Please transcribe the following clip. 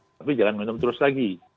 tapi jangan minum terus lagi